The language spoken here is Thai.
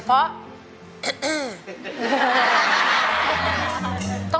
พี่โภค